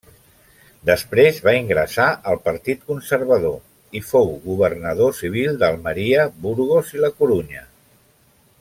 Després va ingressar al Partit Conservador i fou governador civil d'Almeria, Burgos i La Corunya.